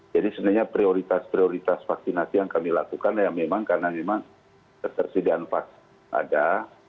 jadi sebenarnya prioritas prioritas vaksinasi yang kami lakukan ya memang karena memang ketersediaan vaksin ada